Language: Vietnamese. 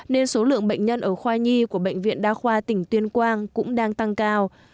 nên số lượng bệnh nhân ở khoa nhi của bệnh viện đa khoa tỉnh tuyên quang cũng đang tăng cao